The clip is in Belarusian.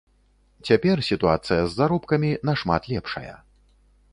Цяпер сітуацыя з заробкамі нашмат лепшая.